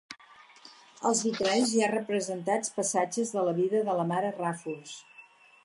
Als vitralls hi ha representats passatges de la vida de la mare Ràfols.